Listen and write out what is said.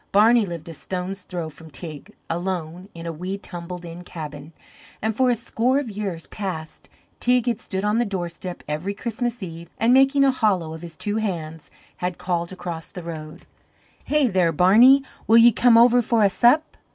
Barney lived a stone's throw from Teig, alone, in a wee tumbled in cabin; and for a score of years past Teig had stood on the doorstep every Christmas Eve, and, making a hollow of his two hands, had called across the road: "Hey, there, Barney, will ye come over for a sup?"